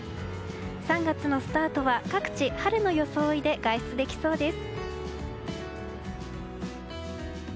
３月のスタートは各地春の装いで外出できそうです。